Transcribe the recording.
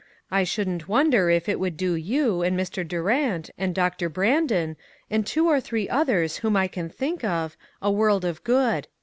I shouldn't wonder if it would do you, and Mr. Durant, and Doctor Brandon, and two or three others whom I can think of, a world of good.